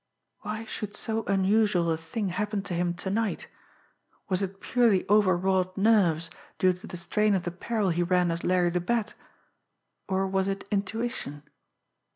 Why should so unusual a thing happen to him to night? Was it purely over wrought nerves, due to the strain of the peril he ran as Larry the Bat or was it intuition?